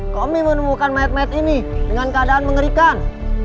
kami menemukan mayat mat ini dengan keadaan mengerikan